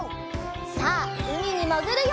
さあうみにもぐるよ！